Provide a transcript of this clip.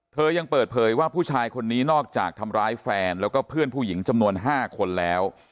ยังเปิดเผยว่าผู้ชายคนนี้นอกจากทำร้ายแฟนแล้วก็เพื่อนผู้หญิงจำนวน๕คนแล้ว